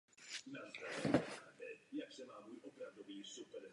Dominantními v konstrukci lodí na přepravu hromadného nákladu jsou asijské společnosti.